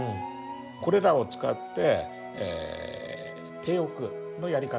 これらを使って手浴のやり方